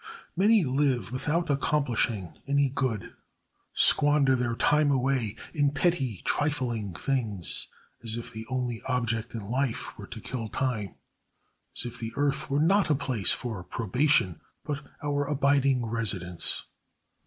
Many live without accomplishing any good; squander their time away in petty, trifling things, as if the only object in life were to kill time, as if the earth were not a place for probation, but our abiding residence.